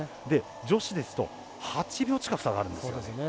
女子ですと８秒近く差があるんですよ。